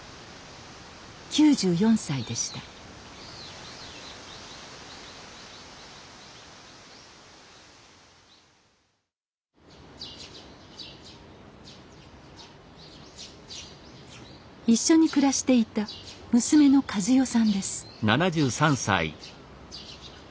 ９４歳でした一緒に暮らしていた娘の和葉さんです